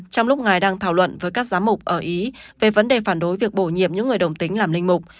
trong lúc ngài đang thảo luận với các giám mục ở ý về vấn đề phản đối việc bổ nhiệm những người đồng tính làm linh mục